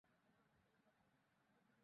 দুই আর তিন।